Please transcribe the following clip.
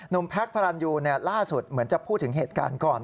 แพ็คพระรันยูล่าสุดเหมือนจะพูดถึงเหตุการณ์ก่อน